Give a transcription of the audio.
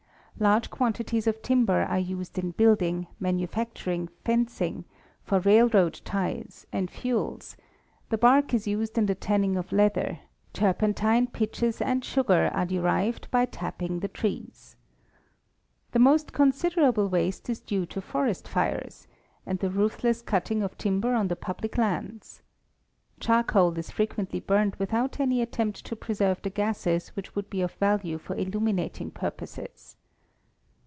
Large quantities of timber are used in building; manufacturing, fencing, for railroad ties, and fuel; the bark is used in the tanning of leather; turpen tine, pitches, and sugar are derived by tapping the trees. The most considerable waste is due to forest fires, and the ruthless cutting of timber on the public lands. Charcoal is frequently burned without any attempt to preserve the gases which would be of value for illu minating purposes.